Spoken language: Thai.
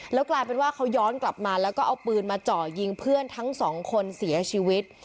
แล้วกลายเป็นว่าเขาย้อนกลับมาแล้วก็เอาปืนมาเจาะยิงเพื่อนทั้งสองคนเสียชีวิต